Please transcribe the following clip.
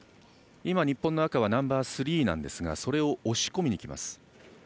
今、日本の赤はナンバースリーですがそれを押し込みに来ます。